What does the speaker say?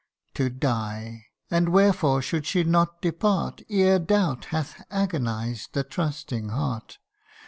" To die ! and wherefore should she not depart Ere doubt hath agonized the trusting heart